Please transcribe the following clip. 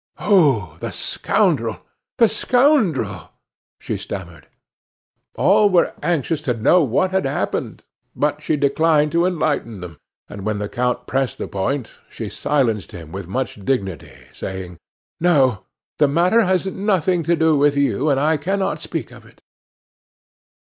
"Oh! the scoundrel! the scoundrel!" she stammered. All were anxious to know what had happened; but she declined to enlighten them, and when the count pressed the point, she silenced him with much dignity, saying: "No; the matter has nothing to do with you, and I cannot speak of it."